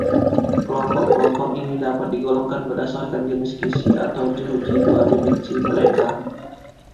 Kelompok-kelompok ini dapat digolongkan berdasarkan jenis kisi atau jeruji dua dimensi mereka.